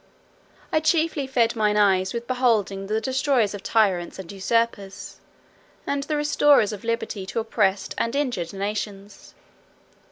I chiefly fed my eyes with beholding the destroyers of tyrants and usurpers, and the restorers of liberty to oppressed and injured nations.